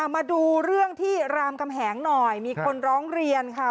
มาดูเรื่องที่รามกำแหงหน่อยมีคนร้องเรียนค่ะ